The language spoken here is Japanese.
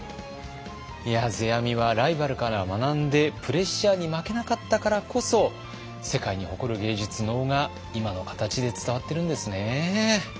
いや世阿弥はライバルから学んでプレッシャーに負けなかったからこそ世界に誇る芸術能が今の形で伝わってるんですね。